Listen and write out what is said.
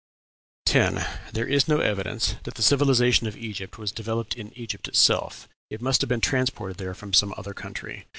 10. There is no evidence that the civilization of Egypt was developed in Egypt itself; it must have been transported there from some other country.